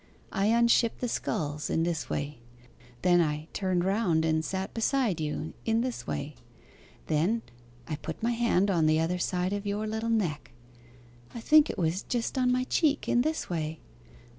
I unshipped the sculls in this way. Then I turned round and sat beside you in this way. Then I put my hand on the other side of your little neck ' 'I think it was just on my cheek, in this way.